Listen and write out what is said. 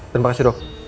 terima kasih dok